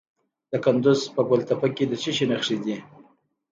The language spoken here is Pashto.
د کندز په ګل تپه کې د څه شي نښې دي؟